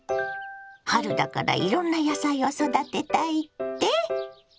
春だからいろんな野菜を育てたいって？